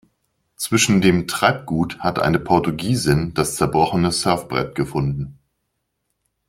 Zwischen dem Treibgut hat eine Portugiesin das zerbrochene Surfbrett gefunden.